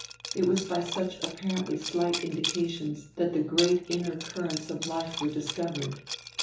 It was by such apparently slight indications that the great inner currents of life were discovered.